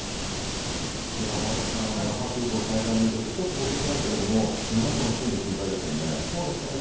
天達さん、那覇空港再開の見通し、ちょっとほっとしましたけどこの後の進路、心配ですね。